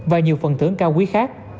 và nhiều phần thưởng cao quý khác